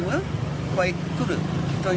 dalam satu hari satu hari